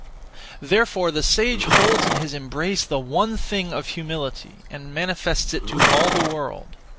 Therefore the sage holds in his embrace the one thing (of humility), and manifests it to all the world.